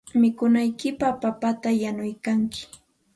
Mikunankupaq papata yanuykalkanki.